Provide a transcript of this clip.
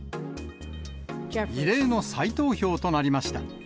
異例の再投票となりました。